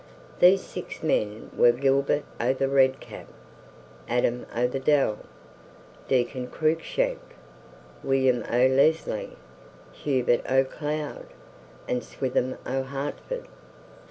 These six men were Gilbert o' the Red Cap, Adam o' the Dell, Diccon Cruikshank, William o' Leslie, Hubert o' Cloud, and Swithin o' Hertford.